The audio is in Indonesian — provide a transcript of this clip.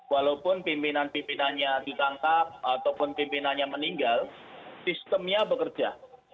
walaupun pimpinan pimpinannya ditangkap ataupun pimpinannya meninggal sistemnya bekerja